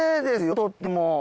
とっても。